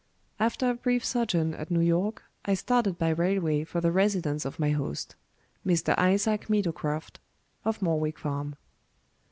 After a brief sojourn at New York, I started by railway for the residence of my host Mr. Isaac Meadowcroft, of Morwick Farm.